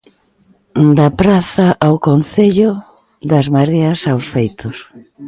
"Da praza ao concello, das mareas aos feitos".